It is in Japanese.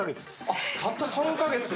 あったった３カ月で。